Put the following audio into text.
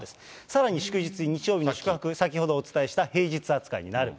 さらに祝日日曜日の宿泊、先ほどお伝えした平日扱いになる。